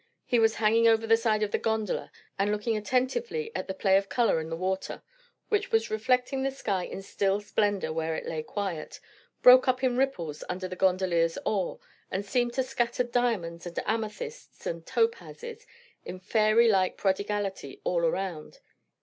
He was hanging over the side of the gondola, and looking attentively at the play of colour in the water; which reflecting the sky in still splendour where it lay quiet, broke up in ripples under the gondolier's oar, and seemed to scatter diamonds and amethysts and topazes in fairy like prodigality all around.